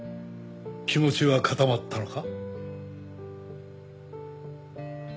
気持ちは固まったのか？